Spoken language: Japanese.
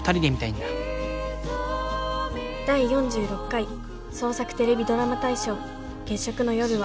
第４６回創作テレビドラマ大賞「月食の夜は」。